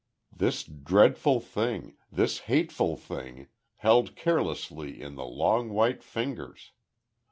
This dreadful thing, this hateful thing, held carelessly in the long white fingers!